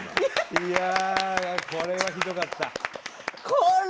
いや、これがひどかった。